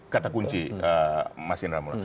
kata kunci mas indra